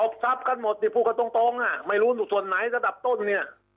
ตบทับกันหมดพูดกันตรงไม่รู้ส่วนไหนสดับต้นเนี่ย